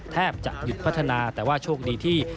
แทบจะหยุดพัฒนาแต่ว่าโชคดีที่